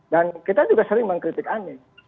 dan kita juga sering mengkritik aneh